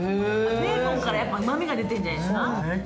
ベーコンからうまみが出てるんじゃないですか？